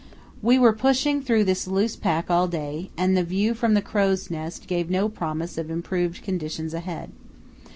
We were pushing through this loose pack all day, and the view from the crow's nest gave no promise of improved conditions ahead.